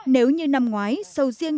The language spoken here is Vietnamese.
nếu như năm ngoái sầu riêng